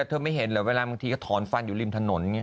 เธอไม่เห็นเดี๋ยวเวลาบางทีก็ถอนฟันอยู่ริมถนน